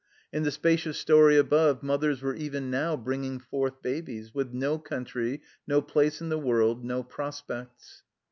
In the spacious storey above mothers were even now bringing forth babies, with no country, no place in the world, no prospects.